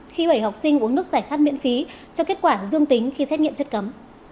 khi bảy học sinh uống nước giải khát miễn phí cho kết quả dương tính khi xét nghiệm chất cấm